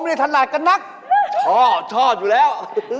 เขาไม่ทันหลากกันนักโอ้โฮชอบอยู่แล้ว